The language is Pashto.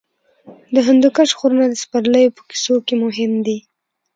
د هندوکش غرونه د سپرليو په کیسو کې مهم دي.